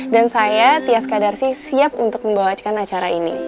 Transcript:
dan saya tias kadarsi siap untuk membawakan acara ini